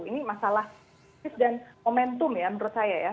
ini masalah dan momentum ya menurut saya ya